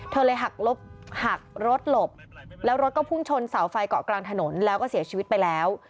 เธอเลยหักรถหลบแล้วรถก็พุ่งชนเสาไฟเกาะกลางถนนแล้วก็เสียชีวิตไปแล้ว